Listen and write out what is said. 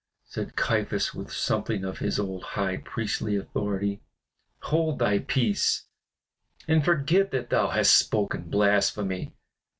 said Caiaphas, with something of his old high priestly authority, "hold thy peace, and forget that thou hast spoken blasphemy.